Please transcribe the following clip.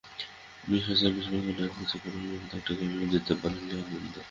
বিশ্ব চ্যাম্পিয়নশিপের কোনো ম্যাচে এবারই প্রথমবারের মতো একটা গেমও জিততে পারেননি আনন্দ।